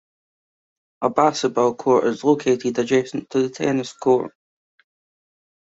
A basketball court is located adjacent to the tennis courts.